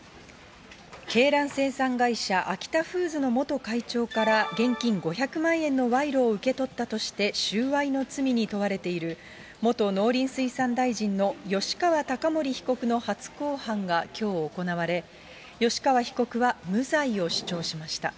鶏卵生産会社、アキタフーズの元会長から現金５００万円の賄賂を受け取ったとして、収賄の罪に問われている、元農林水産大臣の吉川貴盛被告の初公判がきょう行われ、吉川被告は無罪を主張しました。